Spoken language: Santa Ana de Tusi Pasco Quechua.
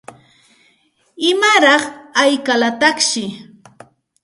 ¿Imalaq hayqalataqshi?